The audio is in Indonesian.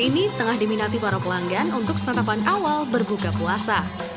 ini tengah diminati para pelanggan untuk santapan awal berbuka puasa